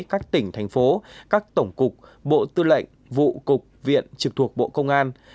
các tỉnh thành phố các tổng cục bộ tư lệnh vụ cục viện trực thuộc bộ công an